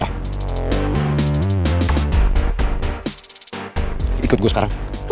enda ini ada pelaku kalau